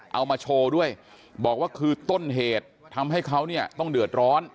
เอามาโชว์ด้วยบอกว่าคือต้นเหตุทำให้เขาเนี่ยต้องเดือดร้อน